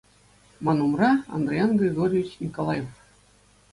Ман умра Андриян Григорьевич Николаев.